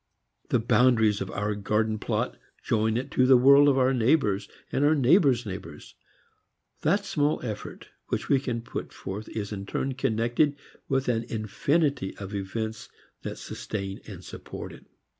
The boundaries of our garden plot join it to the world of our neighbors and our neighbors' neighbors. That small effort which we can put forth is in turn connected with an infinity of events that sustain and support it.